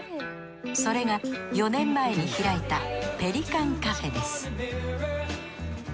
それが４年前に開いたペリカンカフェです